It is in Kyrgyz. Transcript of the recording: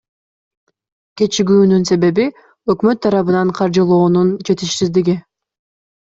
Кечигүүнүн себеби — өкмөт тарабынан каржылоонун жетишсиздиги.